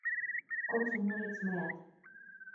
Комсомолец мыят!